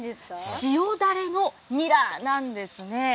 塩だれのニラなんですね。